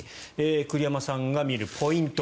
栗山さんが見るポイント